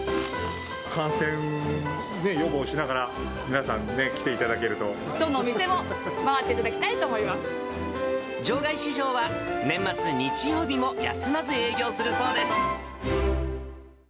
感染予防しながら、皆さんにどのお店も回っていただきた場外市場は、年末日曜日も休まず営業するそうです。